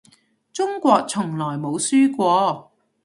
中國從來冇輸過